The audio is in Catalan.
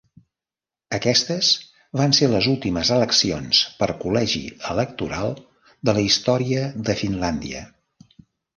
Aquestes van ser les últimes eleccions per col·legi electoral de la història de Finlàndia.